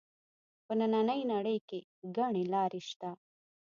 په نننۍ نړۍ کې ګڼې لارې شته